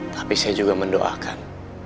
tapi saya juga mendoakan